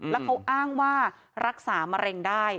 แล้วเขาอ้างว่ารักษามะเร็งได้